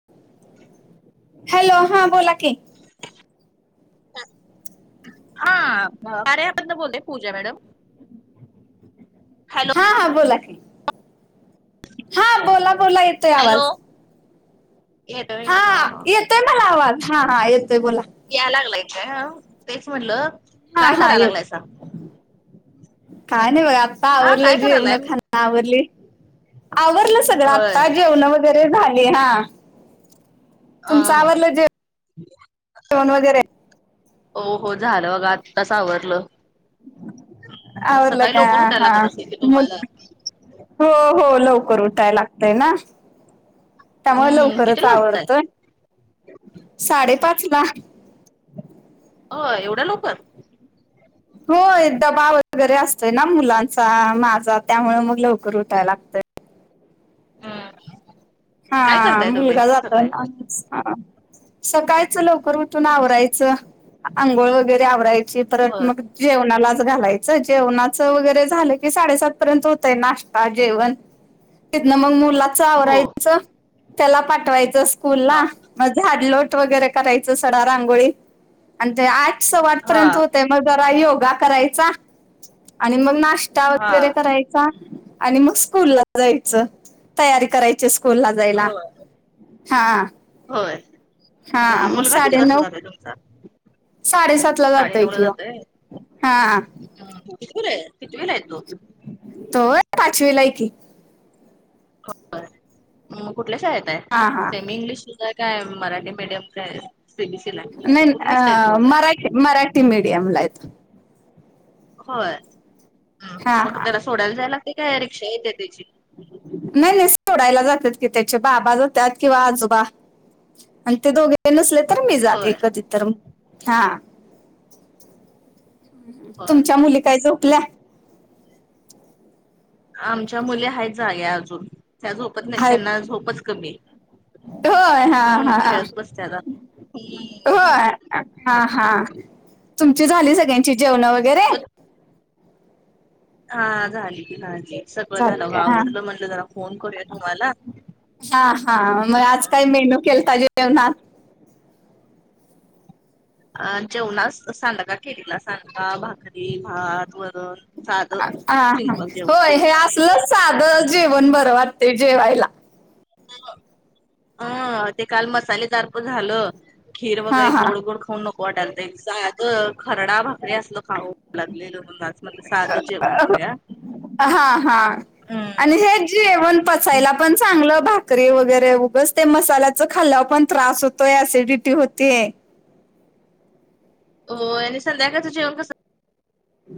[inaudible] Hello हा बोला की [inaudible] [unintelligible] हा कार्यामधन बोलतेय पूजा मॅडम हॅलो हा हा बोला की. हा बोला बोला. येतोय हॅलो आवाज. हा येतोय मला आवाज. हा हा येतोय बोला. याय लागलाय का? तेच म्हटलं. हा काय हा कराय येत. लागलायसा? काय नाही बघ आत्ता हा आवरल काय जेवन करायलाय? खाण, आवरली. आवरलं सगळं होय आत्ता जेवण वगैरे झाले हा. अ तुमचं आवरल जेवण वगैरे? हो हो झालं बघा. आत्ताच आवरलं. म आवरलं सकाळी का लकर उठायला हा लागत असेल की मुल तुम्हाला? हो हो लवकर उठाय लागतय ना. त्यामुळे हम्म लवकरच कितीला उठताय? आवरत. साडेपाच ला ओ! एवढ्या लवकर? होय डबा वगैरे असतोय ना मुलांचा, माझा. त्यामुळे मग लवकर उठायला लागतय. हं. हा मुलगा जातोयना आमचा. सकाळचं लवकर उठून आवरायचं. आंघोळ वगैरे आवरायची परत होय मग जेवणालाच घालायचं. जेवणाचं वगैरे झालं की साडेसात पर्यंत होतय नाश्ता जेवण. तिथन मग मुलाच हो आवरायचं, त्याला पाठवायचं स्कूल हा ला. म झाडलोट वगैरे करायचं, सडा रांगोळी. आणि ते आठ साडे हा आठपर्यंत होते. म जरा योगा करायचा आणि मग नाश्ता हा वगैरे करायचा. चा आणि मग स्कूल ला जायचं तयारी करायची स्कूल ला जायला. होय हां. होय? मुलगा किती वाजता जातो तुमचा? साडेसातला जातोय कि ओ. हा. हं, कितविलये कितविलाये तो? तो होय, पाचवीलाय की. म कुठल्या शाळेत आहे? हा हा सेमी इंग्लिशला आहे काय मराठी मीडियमला ये? सीबीसीलाये नाही कुठल्या स्टेट अ, बोर्डलाये? मराठी मराठी मीडयमलाय तो. होय. हा मग हा त्याला सोडायला जाय लागते काय रिक्षा येते त्याची? नाही नाही सोडायला जातात की त्याचे बाबा जातात किंवा आजोबा. अन ते दोघे ते नसले तर मी जाते होय कधी तर. हा. होय. तुमच्या मुली काय झोपल्या? आमच्या मुली हायेत जाग्या अजून. त्या झोपत नाही, त्यांना आहेत झोपच कमी आहे. होय हा हं हा खेळत बसतत्यात अजून. ही होय हा हा. तुमची झाली सगळ्यांची जेवण वगैरे? हा झाली की झाली सगळं झाली झालं काय हा आवरलं. म्हटलं जरा फोन करूया तुम्हाला. हा हा. म हं. आज काय मेनू केलता जेवणात? अ जेवणास सांडगा केलेला. सांडगा, भाकरी, भात. वरण. साध हा सिंपल जेवन केलेलं आज. ध जेवण बरं वाटतय जेवायला. अं ते काल मसालेदार पण झालं खीर हा वगैरे हा गोड गोड खाऊ नको वाटायला अ खरडा भाकरी असल खाऊ वाटू लागलेलं मला आज. म्हणल आज साध जेवण करूया. हा हा हम्म. आणि जे जेवण पचायला पण चांगलं भाकरी वगैरे. उगच ते मसाल्याच खाल्यावर पण त्रास होत तोय. सिडिटी होतीय. होय आणि संध्याकाळच जेवण कस,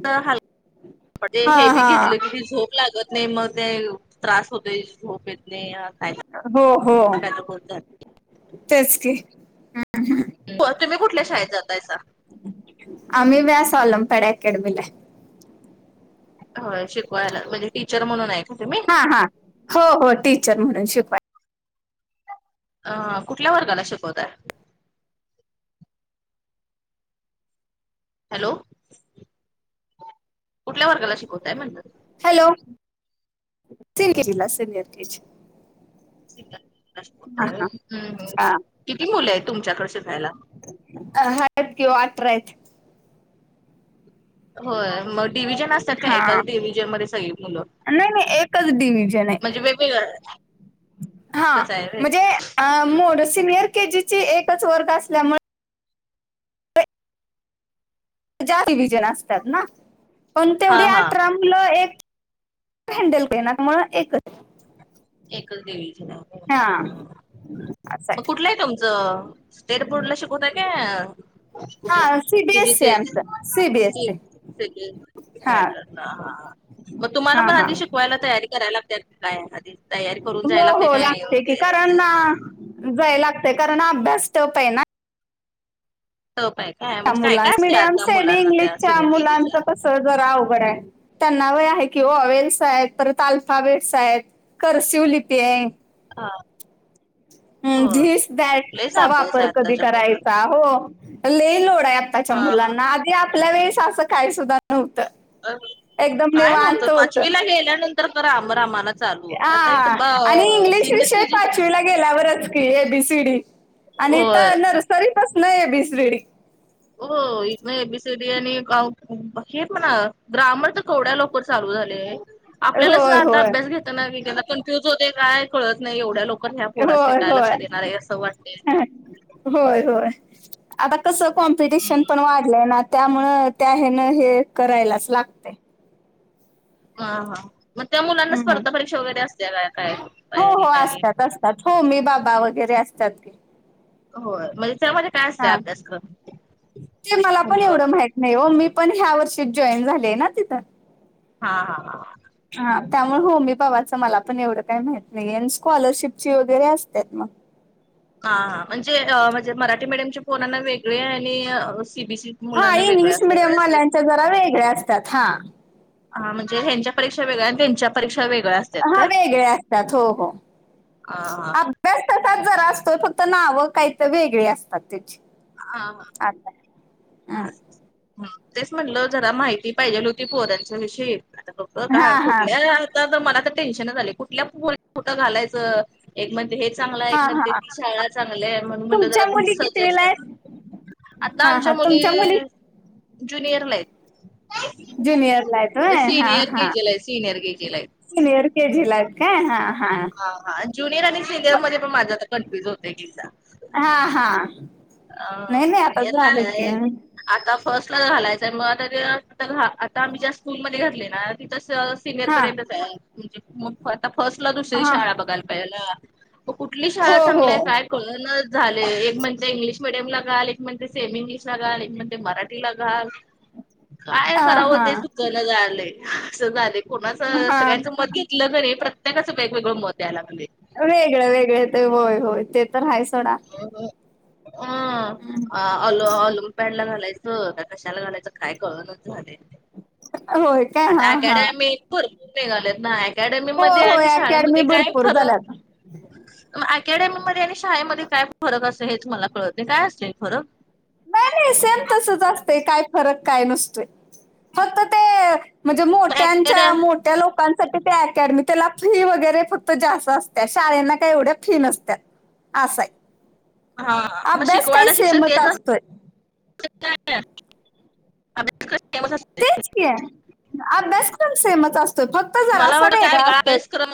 हलकं, म्हणजे हा हेवी हा घेतलं कि ती झोप लागत नाही मग ते त्रास होतोय झोप येत नाही. काय हो हो! काय तर होत जातंय. तेच की. तुम्ही कुठल्या शाळेत जातायसा? आम्ही व्यास ऑलंपॅड अकॅडमीला हाय. होय शिकवायला म्हणजे टीचर म्हणून आहे का तुम्ही? हा हा हो हो टीचर म्हणून शिकवाय अ कुठल्या वर्गाला शिकवताय? हॅलो! कुठल्या वर्गाला शिकवताय म्हणलं? हॅलो! Senior KG. हा हा किती मुल आहेत तुमच्याकडे शिकायला? अ हायत की ओ अठरा आहेत. होय मग डिव्हिजन असतात का हा एकाच डिव्हिजन मध्ये सगळी मुलं? नाही नाही एकच डिव्हजन आहे. म्हणजे वेगवेगळ? हा म्हणजे मोड, सिनियर केजी चा एकच वर्ग असल्यामुळे च्या डिव्हिजन असतात ना पण हा तेवढी हा अठरा मुल एक हँडल एकच त्यामुळं एकच डिव्हिजन आहे. हा! व्हय. मग कुठलं आहे तुमचं स्टेट बोर्ड ला शिकवतय काय कुठल हा सीबीएसई आहे आमचं सीबीएससी सीबीएसई हा पॅटर्न, हा मग तुम्हाला हा पण हा आधी शिकवायला तयारी कराय लागते काय आधी? तयारी करून जायला हो लागतंय हो काय लागते की म्हणजे कारण अ, जाय लागतय कारण अभ्यास टफ आहे ना! टफ आहे काय? म्हणजे काय मुला काय असते मीडियम, आता सेमी मुलांना त्या इंग्लिशच्या सिनियर केजीच्या मुलांच कस जरा अवघड आहे. त्यांना वय आहे की ऑवेल्स आहेत परत आल्फा बेट्स आहेत करसिव लिपी आहे. हा! ह होय दिस दॅट लईच चा अभ्यास वापर आहे कधी आत्ताच्या पोरांना करायचा हो लय लोड आहे आत्ताच्या हा हा मुलांना आधी आपल्या वेळेस असं काही सुद्धा नव्हतं. अ एकदम काय नव्हतं निवांत होत. पाचवीला गेल्यानंतर तर ग्रामर आम्हाला चालूच आता इथ हा आणि इंग्लिश विषय सीनियर पाचवीला गेल्यावरच की एबीसीडी आणि हित होय नरसरीपसन एबीसीडी! हो इथ एबीसडी आणि हे म्हणा ग्रामर तर केवड्या लवकर चालू झाले आपल्याला होय आता होय अभ्यास घेत घेताना कनफ्यूज होतया काय कळत नाही एवढ्या लोक ह्या पोरास्नी होय काय होय लक्षात येणार आहे असं वाटतय. होय होय आता कस कॉम्पिटिशन पण वाढलंय ना. त्यामुळं त्या हेन हे करायलाच लागतय. हा हा मग त्या मुलांना हम्म हम्म. स्पर्धा परीक्षा वगैरे असते का काय? हो हो तयारीला आणि असतात असतात होमी बाबा वगैरे असतात की. हो म्हणजे त्यामध्ये काय असतय हा, अभ्यासक्रम ते मला पण होमी एवढं बाबा माहित नाही हो मी पण ह्या वर्षी जॉईन झाले आहे ना तिथं. हा हा हा! हा त्यामुळे होमी बाबांचं मला पण एवढं काही माहत नाही स्कॉलरशिपची वगैरे असतात मग. हां हां म्हणजे म्हणजे मराठी मीडियमच्या पोरांना वेगळे आणि सीबीएससी हा इंग्लिश मिडियमवाल्यांच्या जरा वेगळ्या असतात हा. हा म्हणजे ह्यांच्या परीक्षा वेगळ्या आणि त्यांच्या परीक्षा वेगळ्या असत्यात हा काय वेगळ्या असतात हो हो. हा व्यस्ततात जरा असतोय फक्त नावं काही तर वेगळी असतात त्याची. हा. आता हां [unintelligible] ह तेच म्हटलं जरा माहिती पाहिजेल होती पोरांच्या विषयी आता बघत का हां हां कुठल्या. आ मला तर टेन्शन झाले कुठल्या कुठ घालायचं. एक म्हण हे चांगलं आहे एक हां म्हणते हां ती शाळा चांगली आहे म्हणून म्हणलं जरा तुमच्या मुली तुमचं कितवीला सजेशन. आहेत आता हां आमच्या हां मुली तुमच्या ज्युनियरला आहेत. जुनियरला आहेत होय हा सिनियर हा. केजीला आहेत सिनियर केजीला आहेत. सिनिअर के जी ला आहेत काय हा हा. हा हा जुनियर आणि सिनियर मध्ये पण माझा आता कन्फ्युज होतय कि. हा हा नाही नाही आताच सिनियरला झालं क. आहे. आता फर्स्टला जर घालायचंय मग त आ आता आम्ही ज्या स्कूलमध्ये घातले ना तिथ. सिनियर हां पर्यंत जा म्हणजे मग आता फर्स्ट ला दुसरी हां शाळा बघायला पाहिजे ना. कुठली शाळा हो हो चांगल्या आहे काय कळण झाले एक म्हणज इंग्लिश. घाल एक म्हण सेम इंग्लिश ला घाल एक म्हण मराठी ला घाल. काय हां करावं हां ते सुचन झालंय असं झाले कोणाचं सगळ्यांचं हां मत. हे प्रत्येकाचं वेगवेगळं मत यायला लागले. वेगळे वेगळे ते होय होय ते तर हाय सोडा. अल अलूम पॅडला घालायच. हो कशाला घालायचं काय कळेना झाले होय काय आता हां हां अकॅडमी. भरपूर निघालेत ना अकॅडमी होय मध्ये आणि होय अकॅडमी शाळेमध्ये काय भरपूर खर. झाल्यात अकॅडमीमध्ये आणि शाळेमध्ये काय फरक असत हेच मला कळत काय असते फरक? नाही नाही सेम तसच असतय काय फरक काय नसते. फक्त ते म्हणजे मोठ्यांच्या मोठ्या लोकां. अकॅडमी त्याला फी वगैरे फक्त जास्त असत शाळेना काही एवढ्या फी नसत. असाय हा मग अभ्यास काही शिकवायला सेम शिक्षक तेच असतोय. असतात अभ्यासक्रम असते. तेच अभ्यास कोण सेमच असतोय फक्त. मला जरासा वाटत वेगळा असतोय अभ्यासक्रम.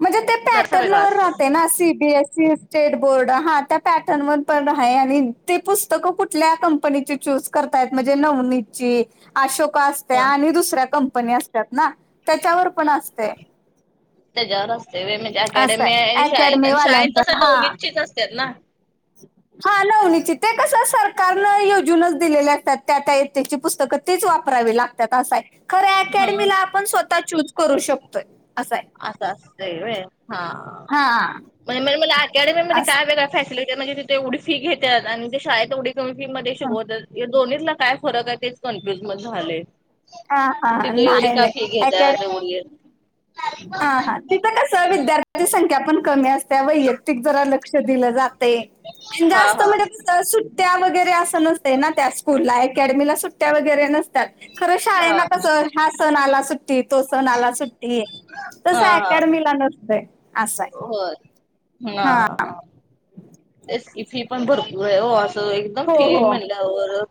म्हणजे ते जरासा वेगळा पॅटर्नवर असतो राहते ना सी. बी. एस. सी. चेडबोर्ड हा त्या पॅटर्न व पण राहा आणि ते पुस्तकं कुठल्या कंपनीची चूज. होतात म्हणजे नवनीतची अशोका. ह. आणि दुसऱ्या कंपनी असतात ना त्याच्यावर पण असते. त्याच्यावर असते म्हणजे असं अकॅडमी आहे आणि शाळेत अकॅडमी आणि शाळेत कस वाल्यांचं हा नवनीतची असतात ना. [inaudible] हा नवनीतची ते कसं सरकारनं योजूनच दिलेले असतात त्या त्या ईतेची पुस्तकं. तीच वापरावी लागतात असाय खरे हा अकॅडमीला आपण स्वतः चूज करू शकतोय असाय. असं असते हा होयमला अकॅडमी मध्ये असं काय वेगळ्या फॅसिलिटी. म्हणजे तिथे एवढी फी घेतात आणि ते शाळेत एवढी कमी फी मध्ये हं. शिकवतात. दोन्हीला काय फरक आहे तेच कन्फ्युज मधे झाले. हां हां. तिथे एवढी नाही का फी नाही. घेतात. हा हा तिथ कस विद्यार्थ. कमी असतात वैयक्तिक जरा लक्ष दिलं जातंय हा जास्त हा म्हणजे. सुट्ट्या वगैरे असं नसते ना त्या स्कूल ला अकॅडमीला सुट्ट्या वगरे नस खरं शाळे हा ना कस हा सण आला सुट्टी तो सण आला सुट्टी. तस हा हा अकॅडमीला नसतय. होय, हा ह हां. ह. एस की फी पण भरपूर आहे हो असं एकदम हो, फी हो. म्हणलं.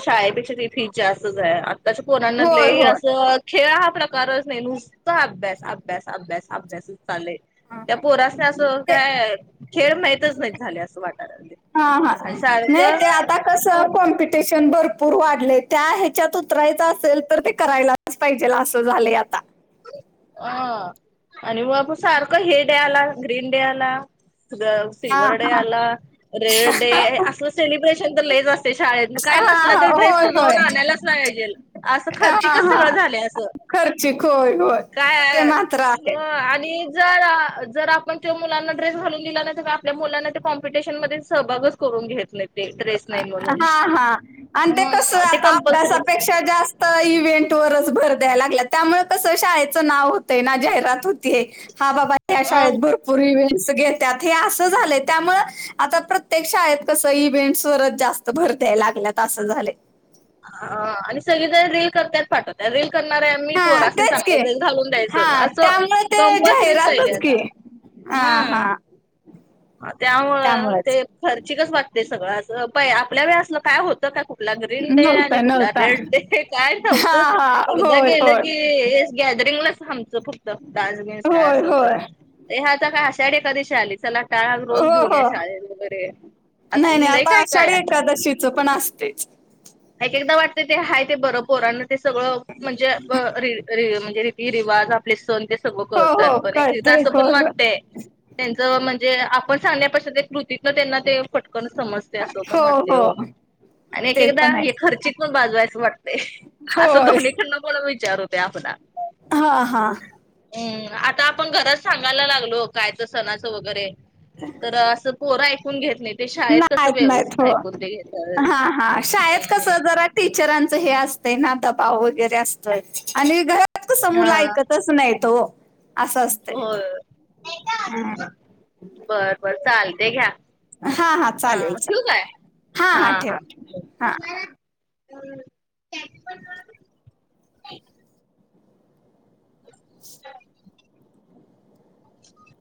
शाळेपेक्षा फी असच आहे. त्याच्या होय, कोनालेही होय. असं. खेळ हा प्रकारच नाही नुकता अभ्यास अभ्यास अभ्यास अभ्यासच चाललाय. हां, त्या हां. पोरास असं ते काय खेळ माहिती. नाही झाले असं वाटालय हा हा आणि सारखं. पेशंन भरपूर वाढले त्या, हेच्यात उतरायचं असेल, तर ते करायलाच पाहिजेल असं झालंय आता. अ.. आणि मग सारखं हे डे आला ग्रीन डे आला. हा सिल्वर डे हा आला, रेड डे असलं सेलिब्रेशन तर लैच अस शाळेत काय हा नसला तर हा ड्रेस होय तो जावून होय आणायलाच पाहिजेल, असं खर्चिकच सगळं झाले असं. खर्चीक होय होय. ते काय मात्र आहे आणि, जर जर आपण मुलांना तो ड्रेस घालून दिला नाही तर, आपल्या मुलांना त्या कॉम्पिटिशनमध्ये सहभागचं करून घेत नाही. ते ड्रेस नाही हा.. म्हणून हा.. आणि ते कस ह ते आता कंपल्सरीच अभ्यासापेक्षा जास्त, तर इव्हेंट वरच भर द्यायला लागलेत, त्यामुळे कसं शाळेचं नाव होतंय ना जाहिरात होतीय. हा बाबा या अ शाळेत भर पूर इव्हेंटस घेत्यात हे असं झालंय, त्यामुळे आता प्रत्येक शाळेत कसं इव्हेंन्टस. स्तर जास्त भर द्याय लागलेत असं झाले. ह.. आणि सगळी जण रील करत्यात पाठवत्यात. रील करणारे आम्ही हां, पोरासनी तेच की. चांगलं ड्रेस घालून द्यायचं, हां, असं त्यामुळे कंपलसरीच केले आता. आ.. हा.. त्यामुळं ते खर्चिकच वाटते सगळं, असं प.. आपल्या वेळेला असल काय होतं का कुट कुठला ग्रीन डे आणि नव्हता, कुठला नव्हता. Red day. काय नव्हतं हां, हां. एकदा होय, गेलं होय. की, ते गॅदरिंगलाच आमचं फक्त डान्स बिन्स काय होय, असेल तर, होय. ए आता काय आषाढी एकादशी आली चला. काळ हो, रोज घेऊन या हो. शाळेत वगैरे, असलय काय काय तसपण असतयच. एक एकदा वाटत ते हाय, ते बरं पोरांना ते सगळं. म्हणजे, म्हणजे रीती रिवाज. आपले सण ते सगळं हो करतात. हो पण एक एकदा कळतंय असं हो पण हो वाटतंय. त्यांनच म्हणजे, आपण सांगण्यापासून ते कृतीतन त्यांना ते पट पण समजते असं पण वाटते हो, आणि एक ते एकदा पण आहे खर्चित पण बाजू आहे असं वाटते. असं होय दोन्ही कडनं पण विचार होते आपला. हा हा. हम्म. आता आपण घरात सांगायला लागलो काय तर सणाचं वगैरे, तर असं पोरं ऐकून घेत नाही, ते शाळेत कसं नाहीत नाहीत व्यवस्थित हो ऐकून ते घेतात. हा हा शाळेत कस हम्म जरा टीचरांच हे असतंय ना, दबाव वगैरे असतंय आणि घरात कस हा मूल ऐकतच नाहीत ओ. होय हं. बर बर चालते घ्या. हा ठेवू काय हा हा ठेवा ठेवा हा हा. [inaudible] [inaudible]